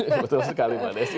betul sekali mbak desi